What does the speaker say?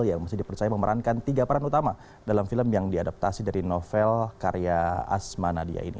yang mesti dipercaya memerankan tiga peran utama dalam film yang diadaptasi dari novel karya asma nadia ini